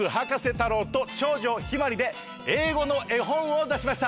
太郎と長女向日葵で英語の絵本を出しました。